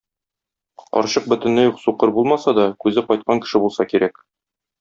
Карчык бөтенләй үк сукыр булмаса да, күзе кайткан кеше булса кирәк.